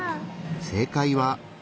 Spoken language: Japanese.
正解は。